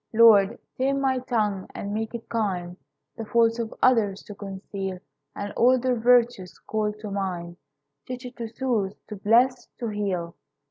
Lord, tame my tongue, and make it kind The faults of others to conceal And all their virtues call to mind; Teach it to soothe, to bless, to heal.